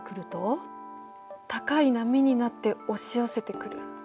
高い波になって押し寄せてくる。